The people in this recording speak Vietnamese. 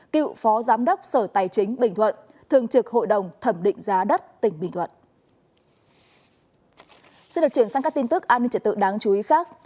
cựu phó giám đốc sở tài chính bình thuận thường trực hội đồng thẩm định giá đất tỉnh bình thuận